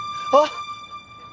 あっ！